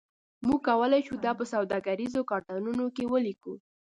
موږ کولی شو دا په سوداګریزو کارتونو کې ولیکو